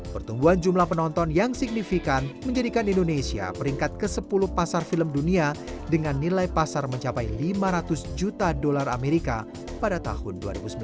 pertumbuhan jumlah penonton yang signifikan menjadikan indonesia peringkat ke sepuluh pasar film dunia dengan nilai pasar mencapai lima ratus juta dolar amerika pada tahun dua ribu sembilan belas